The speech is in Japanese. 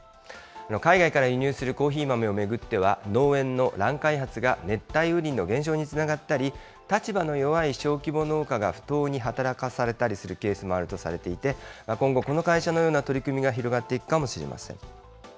海外から輸入するコーヒー豆を巡っては、農園の乱開発が熱帯雨林の減少につながったり、立場の弱い小規模農家が不当に働かされたりするケースもあるとされていて、今後、この会社のような取り組みが広がっていくかもしれません。